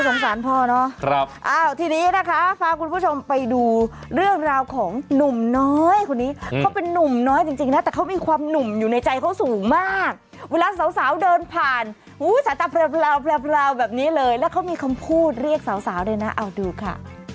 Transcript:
แม่นะครับดูเรื่องราวของหนุ่มน้อยคนนี้เขาเป็นหนุ่มน้อยจริงนะแต่เขามีความหนุ่มอยู่ในใจเขาสูงมากเวลาสาวเดินผ่านสถาปเปล่าแบบนี้เลยแล้วเขามีคำพูดเรียกสาวเลยนะเอาดูค่ะ